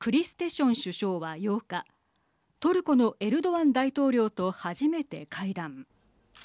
ション首相は８日トルコのエルドアン大統領と初めて会談。